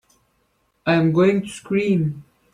I'm going to scream!